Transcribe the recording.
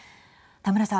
田村さん。